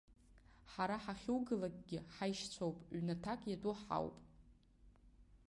Ҳара ҳахьугалакгьы ҳаишьцәоуп, ҩнаҭак иатәу ҳауп.